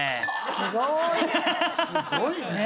すごいね。